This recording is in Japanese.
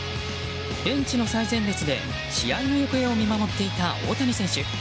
ベンチの最前列で試合の行方を見守っていた大谷選手。